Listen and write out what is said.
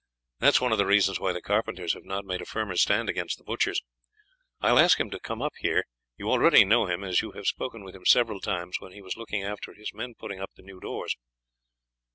That is one of the reasons why the carpenters have not made a firmer stand against the butchers. I will ask him to come up here. You already know him, as you have spoken with him several times when he was looking after his men putting up the new doors."